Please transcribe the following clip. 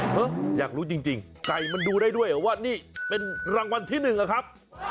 อยากรู้จริงไก่มันดูได้ด้วยเหรอว่านี่เป็นรางวัลที่หนึ่งอะครับ